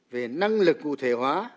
về năng lực cụ thể hóa